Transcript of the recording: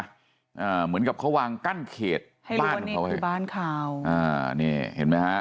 อ่าเหมือนกับเขาวางกั้นเขตบ้านเขาให้ให้รู้ว่านี่คือบ้านข่าวอ่านี่เห็นมั้ยฮะ